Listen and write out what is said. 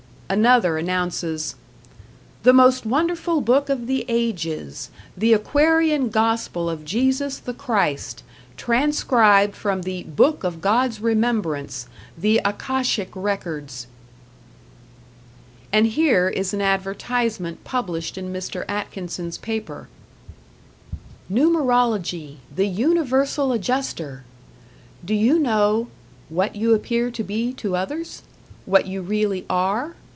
Another announces: The Most Wonderful Book of the Ages: The Acquarian Gospel of Jesus the Christ, Transcribed from the Book of God's Remembrance, the Akashic Records. And here is an advertisement published in Mr. Atkinson's paper: Numerology: the Universal Adjuster! Do you know: What you appear to be to others? What you really are?